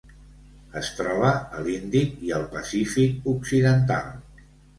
Es troba a l'Índic i al Pacífic occidental.